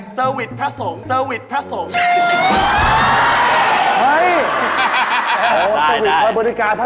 เสอร์วิทย์พระสงฆ์